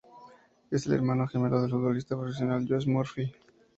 Es el hermano gemelo del futbolista profesional Josh Murphy.